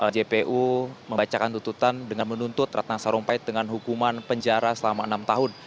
jpu membacakan tuntutan dengan menuntut ratna sarumpait dengan hukuman penjara selama enam tahun